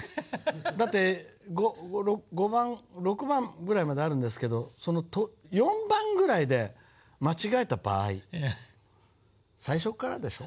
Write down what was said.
だって５番６番ぐらいまであるんですけどその４番ぐらいで間違えた場合最初からでしょ。